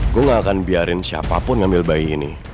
gue gak akan biarin siapapun ngambil bayi ini